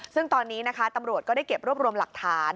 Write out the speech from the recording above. ซึ่งตอนนี้นะคะตำรวจก็ได้เก็บรวบรวมหลักฐาน